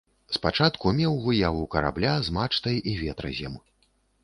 Спачатку меў выяву карабля з мачтай і ветразем.